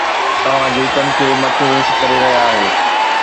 توهان جوتن کي مٿي هيٺ ڪري رهيا آهيو